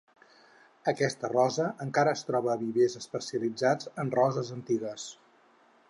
Aquesta rosa encara es troba en vivers especialitzats en roses antigues.